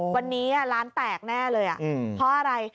วันนี้ร้านแตกแน่เลยเพราะอะไร